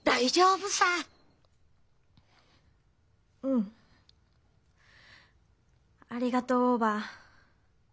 うんありがとうおばぁ。